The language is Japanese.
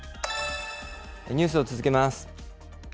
ニュースを続けます。